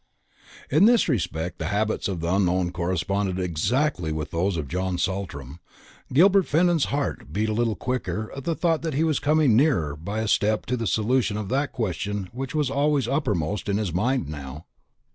In this respect the habits of the unknown corresponded exactly with those of John Saltram. Gilbert Fenton's heart beat a little quicker at the thought that he was coming nearer by a step to the solution of that question which was always uppermost in his mind now.